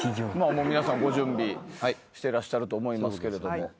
まあもう皆さんご準備してらっしゃると思いますけれども。